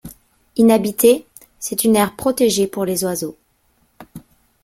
Inhabité, c'est une aire protégée pour les oiseaux.